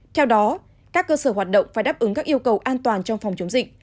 theo đó các cơ sở hoạt động phải đáp ứng các yêu cầu an toàn trong phòng chống dịch